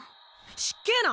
失敬な！